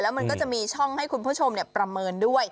มันก็จะมีช่องให้คุณผู้ชมประเมินด้วย